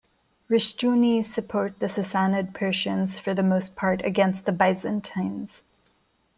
Rshtunis support the Sassanid Persians for the most part against the Byzantines.